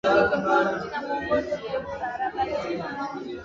Polisi walikizuia chama kufanya mikutano kabla ya uchaguzi